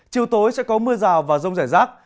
chiều tối sẽ có mưa rào và rông rải rác